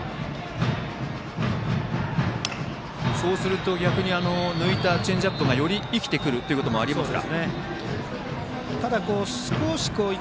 そうすると逆に抜いたチェンジアップがより生きてくるということもありますか。